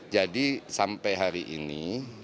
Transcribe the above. jadi sampai hari ini